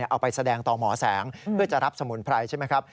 เอาไปแสดงต่อหมอแสงเพื่อจะรับสมุนไพรใช่ไหมครับ